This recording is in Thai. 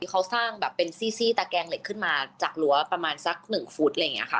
เขาสร้างแบบเป็นซี่ตะแกงเหล็กขึ้นมาจากรั้วประมาณสักหนึ่งฟุตอะไรอย่างนี้ค่ะ